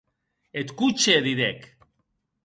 Eth coche!, didec.